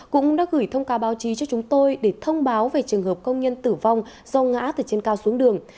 cũng đã gửi thông cáo báo chí cho chúng tôi để thông báo về trường hợp công nhân tử vong do ngã từ trên cao xuống đường